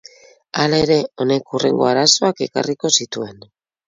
Hala ere, honek hurrengo arazoak ekarriko zituen.